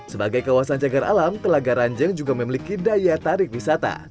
sebagai kawasan cagar alam telaga ranjeng juga memiliki daya tarik wisata